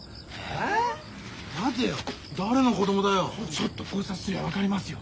ちょっと考察すりゃ分かりますよ。